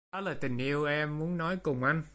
Đó tình yêu em muốn nói cùng anh